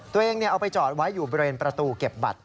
ตัวเองเอาไปจอดไว้อยู่บริเวณประตูเก็บบัตร